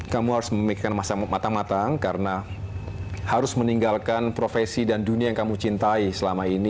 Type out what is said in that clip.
kamu harus memikirkan masa mata matang karena harus meninggalkan profesi dan dunia yang kamu cintai selama ini